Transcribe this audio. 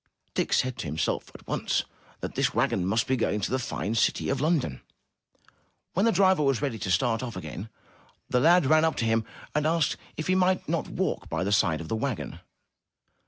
Dick said to himself at once that this wagon must be going to the fine city of London. When the driver was ready to start off again, the lad ran up to him and asked if he might not walk by the side of the wagon.